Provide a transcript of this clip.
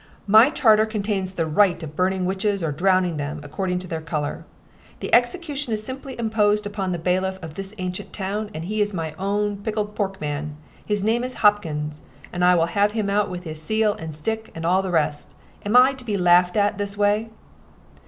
"My charter contains the right of burning witches or drowning them, according to their color. The execution is specially imposed upon the bailiff of this ancient town, and he is my own pickled pork man. His name is Hopkins, and I will have him out with his seal and stick and all the rest. Am I to be laughed at in this way?"